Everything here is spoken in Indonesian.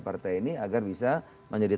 partai ini agar bisa menjadi